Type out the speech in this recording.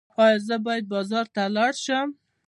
ایا زه باید بازار ته لاړ شم؟